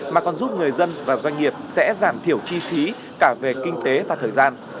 mà còn giúp người dân và doanh nghiệp sẽ giảm thiểu chi phí cả về kinh tế và thời gian